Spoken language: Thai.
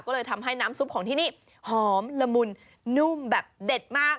ก็เลยทำให้น้ำซุปของที่นี่หอมละมุนนุ่มแบบเด็ดมาก